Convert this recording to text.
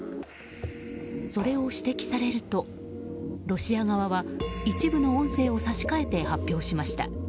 それを指摘されるとロシア側は一部の音声を差し換えて発表しました。